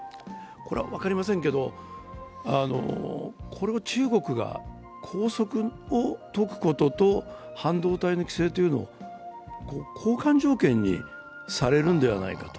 分かりませんけど、これを中国が拘束を解くことと半導体の規制というのを交換条件にされるのではないかと。